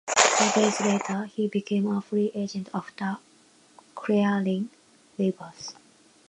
Four days later, he became a free agent after clearing waivers.